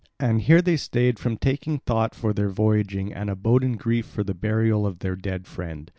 And here they stayed from taking thought for their voyaging and abode in grief for the burial of their dead friend.